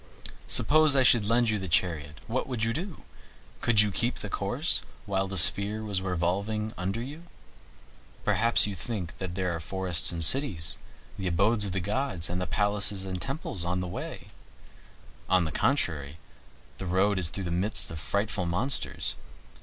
Suppose I should lend you the chariot, what would you do? Could you keep your course while the sphere was revolving under you? Perhaps you think that there are forests and cities, the abodes of gods, and palaces and temples on the way. On the contrary, the road is through the midst of frightful monsters.